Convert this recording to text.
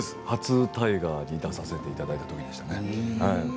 初大河に出させていただいたときでしたね。